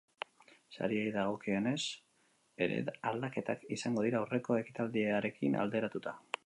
Sariei dagokienez ere aldaketak izango dira aurreko ekitaldiarekin alderatuta.